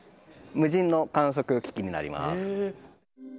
無人の観測機器になります。